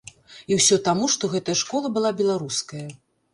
І ўсё таму, што гэтая школа была беларуская.